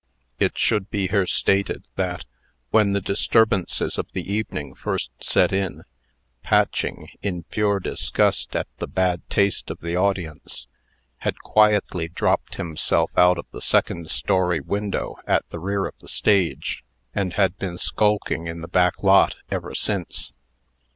It should be here stated, that, when the disturbances of the evening first set in, Patching, in pure disgust at the bad taste of the audience, had quietly dropped himself out of the second story window at the rear of the stage, and had been skulking in the back lot ever since.